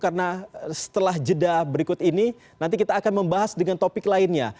karena setelah jeda berikut ini nanti kita akan membahas dengan topik lainnya